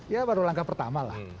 ya baru langkah pertama lah